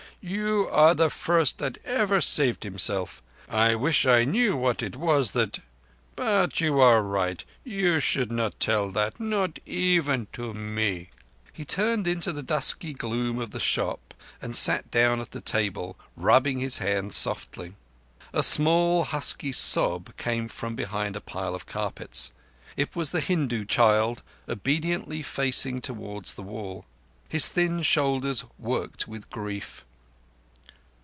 You are the first that ever saved himself. I wish I knew what it was that ... But you are right. You should not tell that—not even to me." He turned into the dusky gloom of the shop, and sat down at the table, rubbing his hands softly. A small, husky sob came from behind a pile of carpets. It was the Hindu child obediently facing towards the wall. His thin shoulders worked with grief.